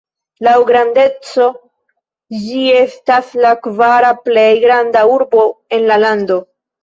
Laŭ grandeco ĝi estas la kvara plej granda urbo en la lando.